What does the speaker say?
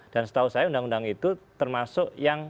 dan setahu saya undang undang itu termasuk yang